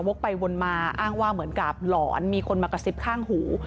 ไปวนมาอ้างว่าเหมือนกับหลอนมีคนมากระซิบข้างหู